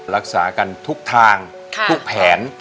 รักษากันทุกทางทุกแผน